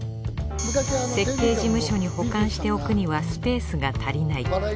設計事務所に保管しておくにはスペースが足りない。